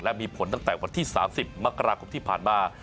และมีผลตั้งแต่วันที่๓๐มกราคมที่ผ่านมา